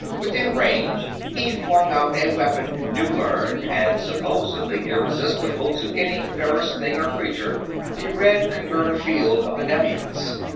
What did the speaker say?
Within range, he flung out a weapon new learned and supposedly irresistible to any ferrous thing or creature, the red converter field of the Nevians.